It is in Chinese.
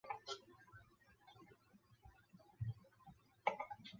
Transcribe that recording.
本资料来源取自悠游台湾铁道网站。